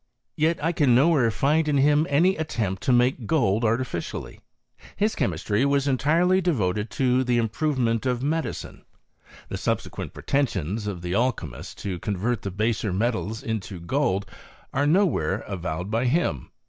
Yet I can nowhere find in him any attempt to make gold artificially. His ehemistiy was entirely devoted to the improvement of medicine.. The subsequent pretensions of the alchy milts to convert the baser metals into gold are no where avowed by him.